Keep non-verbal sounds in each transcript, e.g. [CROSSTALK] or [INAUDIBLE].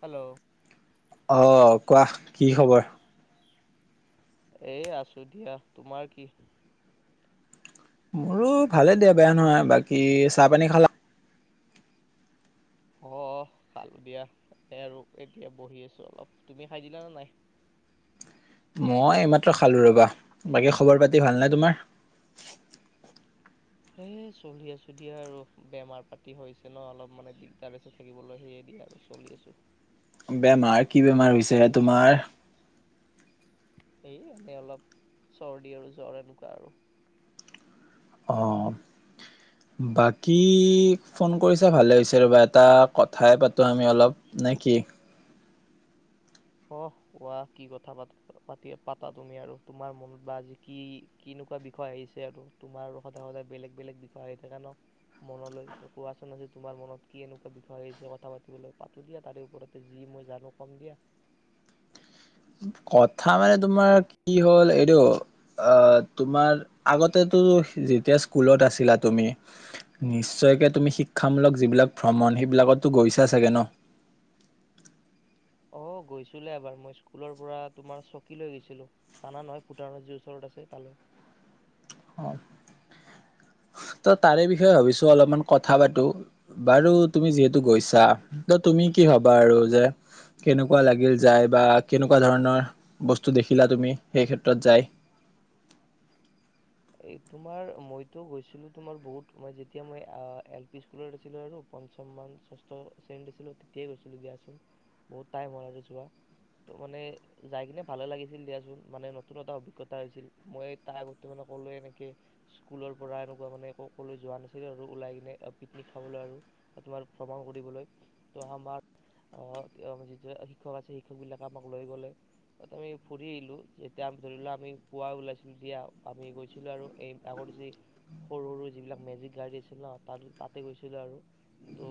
Hello অহ কোৱা কি খবৰ এ আছো দিয়া তোমাৰ কি মোৰো ভালে দিয়া বেয়া নহয় বাকী চাহ পানী খালা অ খালো দিয়া তাকে আৰু এতিয়া বহি আছো অলপ তুমি খাই দিলা নে নাই মই এইমাত্ৰ খালো ৰবা বাকী খবৰ পাতি ভাল নে তোমাৰ সেই চলি আছো দিয়া আৰু বেমাৰ পাতি হৈছে ন অলপ মানে দিগদাৰ আছে থাকিবলৈ সেয়ে দিয়া আৰু চলি আছো বেমাৰ কি বেমাৰ হৈছে তোমাৰ এই এনেই অলপ চৰ্দি আৰু জ্বৰ এনেকুৱা আৰু অ বাকী ফোন কৰিছা ভালে হৈছে ৰ'বা এটা কথাই পাতো আমি অলপ নে কি কহ কোৱা কি কথা পাত পাতি পাতা তুমি আৰু তোমাৰ মনত বা আজি কি কিনেকুৱা বিষয় আহিছে আৰু তোমাৰ সদায় সদায় বেলেগ বেলেগ বিষয় আহি থাকে ন মনলৈ ত কোৱাচোন আজি তোমাৰ মনত কি এনেকুৱা বিষয় আহিছে কথা পাতিবলৈ পাতো দিয়া তাৰে ওপৰতে যি মই জানো কম দিয়া কথা মানে তোমাৰ কি হ'ল এইটো আহ তোমাৰ আগতেতো যেতিয়া স্কুলত আছিলা তুমি নিশ্চয়কে তুমি শিক্ষামূলক যিবিলাক ভ্ৰমণ সেইবিলাকতো গৈছা চাগে ন অ গৈছিলে এবাৰ মই স্কুলৰ পৰা তোমাৰ চকী লৈ গৈছিলো জানা নহয় ভূটানৰ যি ওচৰত আছে তালৈ অ ত তাৰে বিষয়ে ভাবিছো অলপমান কথা পাতো বাৰু তুমি যিহেতু গৈছা ত তুমি কি ভাবা আৰু যে কেনেকুৱা লাগিল যায় বা কেনেকুৱা ধৰণৰ বস্তু দেখিলা তুমি সেই ক্ষেত্ৰত যাই এই তোমাৰ মইতো গৈছিলো তোমাৰ বহুত মই যেতিয়া মই এল পি স্কুলত আছিলো আৰু পঞ্চম মান ষষ্ঠ শ্ৰেণীত আছিলো তেতিয়াই গৈছিলো দিয়াচোন বহুত টাইম হ'ল আৰু যোৱা ত মানে যাই কিনে ভালে লাগিছিল দিয়াচোন মানে নতুন এটা অভিজ্ঞতা হৈছিল মই তাৰ আগতে মানে সকলে এনেকে স্কুলৰ পৰা এনেকুৱা মানে কলৈ যোৱা নাছিল আৰু ওলাই কিনে পিকনিক খাবলৈ আৰু তোমাৰ ভ্ৰমণ কৰিবলৈ ত আমাৰ আহ যি শিক্ষক আছে শিক্ষক বিলাকে আমাক লৈ গ'লে ত আমি ফুৰি আহিলো যেতিয়াি ধৰি লোৱা আমি পুৱা ওলাইছিলো দিয়া আমি গৈছিলোঁ আৰু এই আগৰ যি সৰু সৰু যিবিলাক মেজিক গাড়ী আছিল ন তাত তাতে গৈছিলোঁ আৰু ত'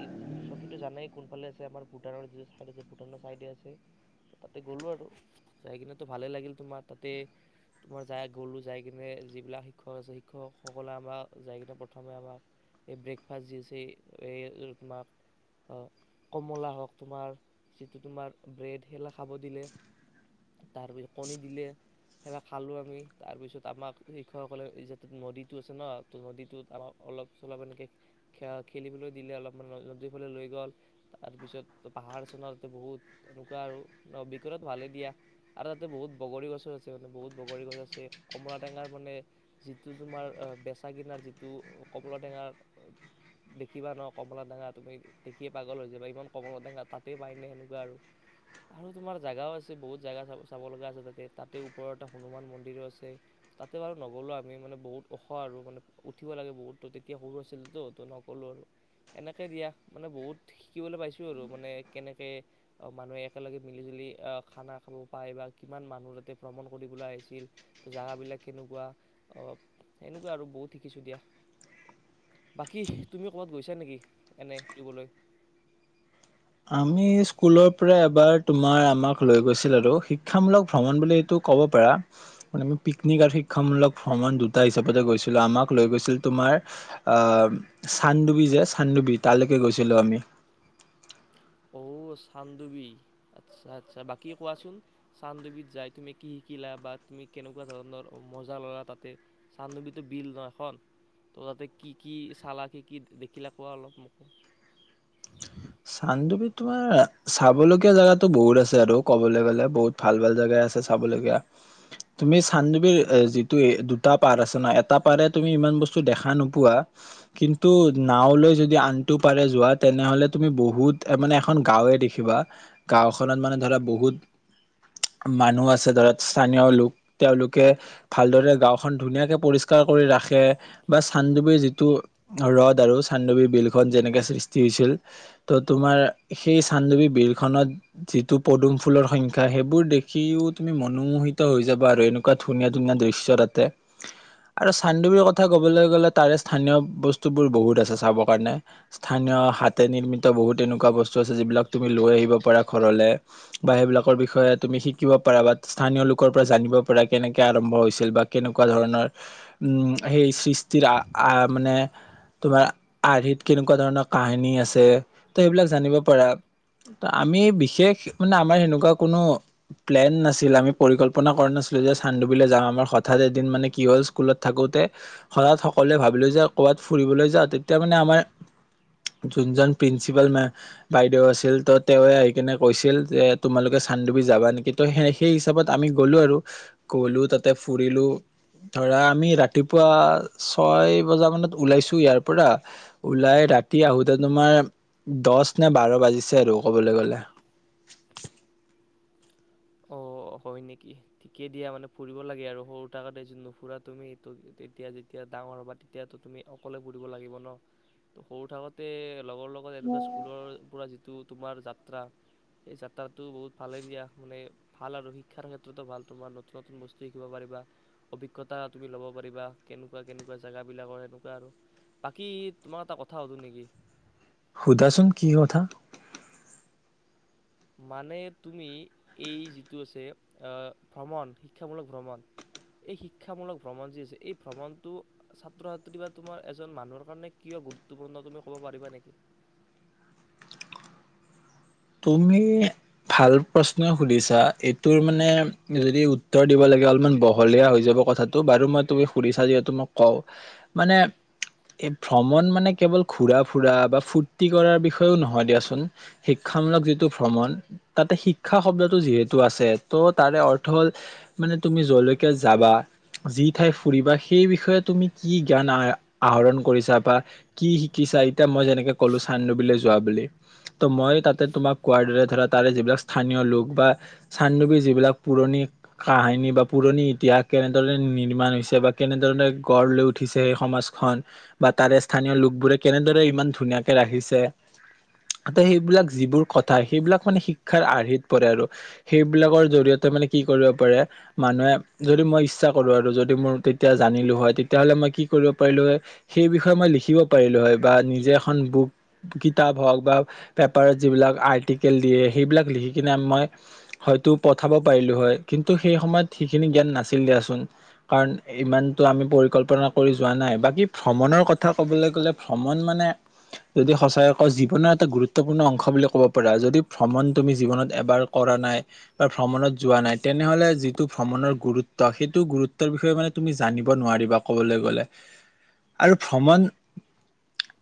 এই চকীটো জানাই কোনফালে আছে আমাৰ ভূটানৰ যিটো চাইড আছে ভূটানৰ চাইডে আছে ত' তাতে গ'লোঁ আৰু যাই কিনেতো ভালেই লাগিল তোমাৰ তাতে তোমাৰ জা গ'লোঁ যাই কিনে যিবিলাক শিক্ষক আছে শিক্ষকসকলে আমাক যাই কিনে প্ৰথমে আমাক এই ব্ৰেকফাষ্ট যি আছে এই তোমাক কমলা হওক তোমাৰ যিটো তোমাৰ ব্ৰেড সেইবিলাক খাব দিলে তাৰপিছত কণী দিলে সেইিলাক খালোঁ আমি তাৰপিছত আমাক শিক্ষকসকলে এই যে নদীটো আছে ন ত নদীটোত আমাক অলপ চলপ এনেকৈ খেলিবলৈ দিলে অলপমান নদীৰ ফালে লৈ গ'ল তাৰপিছত পাহাৰ আছে ন তাতে বহুত এনেকুৱা আৰু ভিতৰত ভালেই দিয়া আৰু তাতে বহুত বগৰী গছো আছে মানে বহুত বগৰী গছ আছে। কমলা টেঙাৰ মানে যিটো তোমাৰ বেচা কিনাৰ যিটো কমলা টেঙাৰ দেখিবা ন কমলা টেঙা তুমি দেখিয়ে পাগল হৈ যাবা ইমান কমলা টেঙা তাতে পাইনে সেনেকুৱা আৰু তোমাৰ জেগাও আছে বহুত জোগা চাব চাব লগা আছে তাতে তাতে ওপৰৰ এটা হনুমান মন্দিৰো আছে তাতে বাৰু নগলো আমি মানে বহুত ওখ আৰু মানে উঠিব লাগে বহুত তেতিয়া সৰু আছিলতো নগলো আৰু এনেকে দিয়া মানে বহুত শিকিবলৈ পাইছো আৰু মানে কেনেকে মানুহে একেলগে মিলি জুলি আহ খানা খাব পায় বা কিমান মানুহ তাতে ভ্ৰমণ কৰিবলৈ আহিছিল জেগাবিলাক কেনেকুৱা অ সেনেকুৱা আৰু বহুত শিকিছোঁ দিয়া বাকী তুমিও ক'ৰবাত গৈছা নেকি এনে ফুৰিবলৈ আমি স্কুলৰ পৰা এবাৰ তোমাৰ আমাক লৈ গৈছিল আৰু শিক্ষামূলক ভ্ৰমণ বুলি এইটো ক'ব পাৰা মানে পিকনিক আৰু শিক্ষামূলক ভ্ৰমণ দুটা হিচাপতে গৈছিলো আমাক লৈ গৈছিল তোমাৰ চানডুবি যে চানডুবি তালৈকে গৈছিলোঁ আমি অ' চানডুবি আচ্ছা আচ্ছা বাকী কোৱাচোন চানডুবিত যাই তুমি কি শিকিলা বা তুমি কেনেকুৱা ধৰণৰ মজা ল'লা তাতে চানডুবিটো বিল ন এখন ত' তাতে কি কি চালা কি কি দেখিলা কোৱা অলপ মোকো চানডুবি তোমাৰ চাবলগীয়া জেগাতো বহুত আছে আৰু কবলৈ গলে বহুত ভাল ভাল জেগাই আছে চাবলগীয়া তুমি চান্দুবিৰ যিটো দুটা পাৰ আছে ন এটা পাৰে তুমি ইমান বস্তু দেখা নোপোৱা কিন্তু নাওলৈ যদি আনটো পাৰে যোৱা তেনেহলে তুমি বহুত মানে এখন গাঁওৱে দেখিবা গাওখনত মানে ধৰা বহুত মানুহ আছে ধৰা স্থানীয় লোক তেওঁলোকে ভালদৰে গাওঁখন ধুনীয়াকে পৰিষ্কাৰ কৰি ৰাখে বা চান্দুবীৰ যিটো ৰদ আৰু চান্দুবীৰ বিলখন যেনেকে সৃষ্টি হৈছিল ত' তোমাৰ সেই চানডুবি বিলখনত যিটো পদুম ফুলৰ সংখ্যা সেইবোৰ দেখিও তুমি মনোমোহিত হৈ যাবা আৰু এনেকুৱা ধুনীয়া ধুনীয়া দৃশ্য তাতে আৰু চানডুবীৰ কথা কবলৈ গ'লে তাৰে স্থানীয় বস্তুবোৰ বহুত আছে চাব কাৰণে স্থানীয় হাত। নিৰ্মিত বহুত এনেকুৱা বস্তু আছে যিবিলাক তুমি লৈ আহিব পাৰা ঘৰলে বা সেইবিলাকৰ বিষয়ে তুমি শিকিব পাৰা বা স্থানীয় লোকৰ পৰা জানিব পাৰা কেনেকে আৰম্ভ হৈছিল বা কেনেকুৱা ধৰণৰ উম সেই সৃষ্টিৰ মানে তোমাৰ আৰ্হিত কেনেকুৱা ধৰণৰ কাহিনী আছে ত সেইবিলাক জানিব পাৰা আমি বিশেষ মানে আমাৰ সেনেকুৱা কোনো প্লেন নাছিল আমি পৰিকল্পনা কৰা নাছিলো যে চানডুবিললৈ যাওঁ আমাৰ হঠাৎ এদিন মানে কি হ'ল স্কুলত থাকোতে হঠাৎ সকলোৱে ভাবিলোঁ যে ক'ৰবাত ফুৰিবলৈ যাওঁ তেতিয়া মানে আমাৰ যোনজন প্ৰিন্সিপাল না বাইদেউ আছিল তো তেৱে আহি কিনে কৈছিল যে তোমালোকে চানডুবি যাবা নেকি ত' সেই সেই হিচাপত আমি গ'লো আৰু গলো তাতে ফুৰিলো ধৰা আমি ৰাতিপুৱা ছয় বজা মানত ওলাইছো ইয়াৰ পৰা ওলাই ৰাতি আহোঁতে হেই তোমাৰ দহ নে বাৰ বাজিছে আৰু ক'বলৈ গ'লে অ হয় নেকি ঠিকে দিয়া মানে ফুৰিব লাগে আৰু সৰু থাকোতে য নুফুৰা তুমি ত তেতিয়া যেতিয়া ডাঙৰ হবা তেতিয়াতো তুমি অকলে ফুৰিব লাগিব ন ত সৰু থাকোতে লগৰ লগত এনেকুৱা স্কুলৰ পৰা যি টো তোমাৰ যাত্ৰা এই যাত্ৰাটো বহুত ভালে দিয়া [UNINTELLIGIBLE] ভাল আৰু শিক্ষাৰ ক্ষেত্ৰতো ভাল তোমাৰ নতুন নতুন বস্তু শিকিব পাৰিবা অভিজ্ঞতা তুমি ল'ব পাৰিবা কেনেকুৱা কেনেকুৱা জেগাবিলাকৰ সেনেকুৱা আৰু বাকী তোমাক এটা কথা সুধো নেকি সুধাচোন কি কথা মানে তুমি এই যিটো আছে আহ ভ্ৰমণ শিক্ষামূলক ভ্ৰমণ এই শিক্ষামূলক ভ্ৰমণ যি আছে এই ভ্ৰমণটো ছাত্ৰ ছাত্ৰী বা তোমাৰ এজন মানুহৰ কাৰণে কিয় গুৰুত্বপূৰ্ণ তুমি ক'ব পাৰিবা নেকি তুমি ভাল প্ৰশ্নই সুধিছা এইটোৰ মানে যদি উত্তৰ দিব লাগে অলপমান বহলীয়া হৈ যাব কথাটো বাৰু মই তুমি সুধিছা যিহেতু মোক কওঁ মানে ভ্ৰমণ মানে কেৱল ঘূৰা ফুৰা বা ফূুৰ্তি কৰাৰ বিষয়েও নহয় দিয়াচোন শিক্ষামূলক যিটো ভ্ৰমণ তাতে শিক্ষা শব্দটো যিহেতু আছে ত তাৰে অৰ্থ হ'ল মানে তুমি যলৈকে যাবা যি ঠাই ফুৰিবা সেই বিষয়ে তুমি কি জ্ঞান আহ আহৰণ কৰিছা বা কি শিকিছা এতিয়া মই যেনেকে ক'লো চান্ডুবিলৈ যোৱা বুলি ত' মই তাত তোমাক কোৱাৰ দৰে ধৰা তাৰে যিবিলাক স্থানীয় লোক বা চানডুৱী যিবিলাক পুৰণি কাহিনী বা পুৰণি ইতিহাস কেনেদৰে নিৰ্মাণ হৈছে বা কেনেদৰেণে গঢ় লৈ উঠিছে সেই সমাজখন বা তাৰে স্থানীয় লোকবোৰে কেনেদৰে ইমান ধুনীয়াকে ৰাখিছে ত সেইবিলাক যিবোৰ কথা সেইবিলাক মানে শিক্ষাৰ আৰ্হিত পৰে আৰু সেইবিলাকৰ জৰিয়তে মানে কি কৰিব পাৰে মানুহে যদি মই ইচ্ছা কৰো আৰু যদি মোৰ তেতিয়া জানিলো হয় তেতিয়া হ'লে মই কি কৰিব পাৰিলো হয় সেই বিষয়ে মই লিখিব পাৰিলো হয় বা নিজে এখন বুক কিতাপ হওক বা তাত পেপাৰত যিবিলাক আৰ্টিকেল দিয়ে সেইবিলাক লিখি কিনে মই হয়তো পঠাব পাৰিলোঁ হয় কিন্তু সেই সময়ত সেইখিনি জ্ঞান নাছিল দিয়াচোন কাৰণ ইমানটো আমি পৰিকল্পনা কৰি যোৱা নাই বাকী ভ্ৰমণৰ কথা ক'বলৈ গ'লে ভ্ৰমণ মানে যদি সঁচাকৈ কওঁ জীৱনৰ এটা গুৰুত্ব গুৰুত্বপূৰ্ণ অংশ বুলি ক'ব পাৰা যদি ভ্ৰমণ তুমি জীৱনত এবাৰ কৰা নাই বা ভ্ৰমণত যোৱা নাই তেনেহলে যিটো ভ্ৰমণৰ গুৰুত্ব সেইটো গুৰুত্বৰ বিষয়ে মানে তুমি জানিব নোৱাৰিবা কবলৈ গলে আৰু ভ্ৰমণ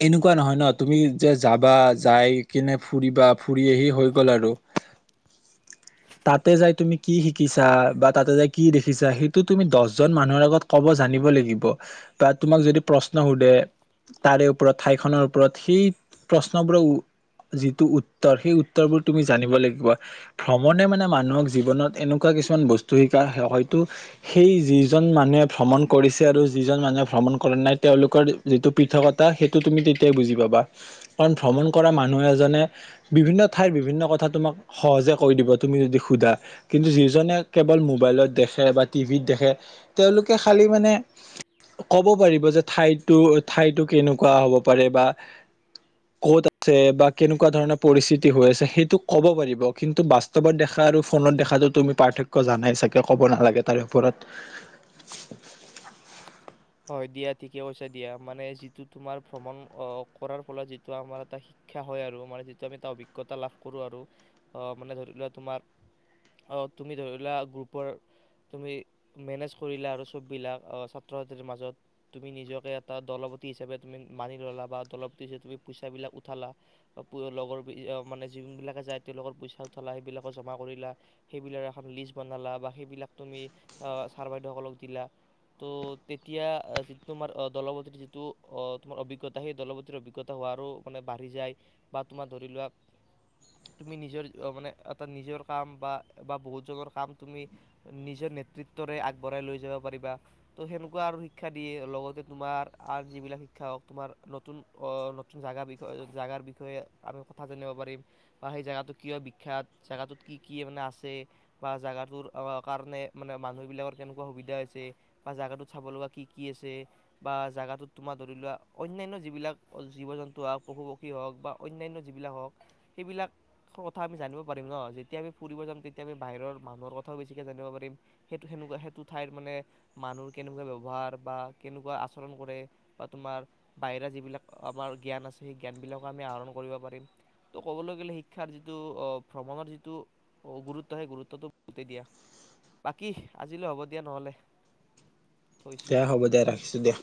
এনেকুৱা নহয় ন তুমি যে যাবা যাই কিনে ফুৰিবা ফুৰি আহি হৈ গ'ল আৰু তাতে যাই তুমি কি শিকিছা বা তাতে যাই কি দেখিছা সেইটো তুমি দহজন মানুহৰ আগত ক'ব জানিব লাগিব বা তোমাক যদি প্ৰশ্ন সোধে তাৰে ওপৰত ঠাইখনৰ ওপৰত সেই প্ৰশ্নবোৰ যিটো উত্তৰ সেই উত্তৰবোৰ তুমি জানিব লাগিব ভ্ৰমণে মানে মানুহক জীৱনত এনেকুৱা কিছুমান বস্তু শিকা হয়তো সেই যিজন মানুহে ভ্ৰমণ কৰিছে আৰু যিজন মানুহে ভ্ৰমণ কৰা নাই তেওঁলোকৰ যিটো পৃথকতা সেইটো তুমি তেতিয়াই বুজি পাবা কাৰণ ভ্ৰমণ কৰা মানুহ এজনে বিভিন্ন ঠাইৰ বিভিন্ন কথা তোমাক সহজে কৈ দিব তুমি যদি সোধা কিন্তু যিজনে কেৱল মোবাইলত দেখে বা টিভিত দেখে তেওঁলোকে খালি মানে ক'ব পাৰিব যে ঠাইতো ঠাইতো কেনেকুৱা হ'ব পাৰে বা কত আ বা কেনেকুৱা ধৰণৰ পৰিস্থিতি হৈ আছে সেইটো কব পাৰিব কিন্তু বাস্তৱত দেখা আৰু ফোনত দেখাতটো তুমি পাৰ্থক্য জানাই চাগে কব নালাগে তাৰে ওপৰত। হয় দিয়া ঠিকে কৈছা দিয়া মানে যিটো তোমাৰ ভ্ৰমণ কৰাৰ ফলত যিটো আমাৰ এটা শিক্ষা হয় আৰু মানে যিটো আমি এটা অভিজ্ঞতা লাভ কৰো আৰু অ মানে ধৰিলোৱা তোমাৰ অ তুমি ধৰিলোৱা গ্ৰুপৰ তুমি মেনেজ কৰিলা আৰু বিলাক অ ছাত্ৰ মাজত তুমি নিজকে এটা দলপতি হিচাপে তুমি মানি ল'লা বা দলপতি হিচাপে তুমি পইচাবিলাক উঠালা লগৰ মানে যিবিলাকে যায় তেওঁলোকৰ পইচা উঠালা সেইবিলাক জমা কৰিলা সেইবিলাক এখন লিষ্ট বনালা বা সেইবিলাক তুমি ছাৰ বাইদেউসকলক দিলা ত' তেতিয়া যি তোমাৰ দলপতিৰ যিটো তোমাৰ অভিজ্ঞতা সেই দলপতিৰ অভিজ্ঞতা হোৱাৰো মানে বাঢ়ি যায় বা তোমাৰ ধৰি লোৱা তুমি নিজৰ মানে এটা নিজৰ কাম বা বা বহুতজনৰ কাম তুমি নিজৰ নেতৃত্বৰে আগবঢ়াই লৈ যাব পাৰিবা ত' সে শিক্ষা দিয়ে লগতে তোমাৰ আ যিবিলাক শিক্ষা হওক তোমাৰ নতুন অ নতুন জেগাৰ বিষয়ে জেগটো বিষয়ে আমি কথা জানিব পাৰিম বা সেই জোগাটো কিয় বিখ্যাত জেগাটোত কি কি মানে আছে বা জোগাটোৰ কাৰণে মানে মানুহ বিলাকৰ কেনেকুৱা সুবিধা হৈছে বা জেগাটোত চাব লগা কি কি আছে বা জেগাটোত তোমাৰ ধৰি লোৱা অন্যান্য যিবিলাক জীৱ জন্তু হওক পশু পক্ষী হওক বা অন্যান্য যিবিলাক হওক সেইবিলাক কথা আমি জানিব পাৰিম ন যেতিয়া আমি ফুৰিব যাম তেতিয়া আমি বাহিৰৰ মানুহৰ কথাও বেছিকৈ জানিব পাৰিম সেইটো সেনেকুৱা সেইটো ঠাইৰ মানে মানুহ কেনেকুৱা ব্যৱহাৰ বা কেনেকুৱা আচৰণ কৰে বা তোমাৰ বাহিৰা যিবিলাক আমাৰ জ্ঞান আছে সেই জ্ঞানবিলাকো আমি আহৰণ কৰিব পাৰিম ত' ক'বলৈ গ'লে শিক্ষাৰ যিটো ভ্ৰমণৰ যিটো গুৰুত্ব সেই গুৰুত্বটো বহুতেই দিয়া বাকী আজিলৈ হ'ব দিয়া নহ'লে থৈছোঁ দিয়া হ'ব দে ৰাখিছোঁ দে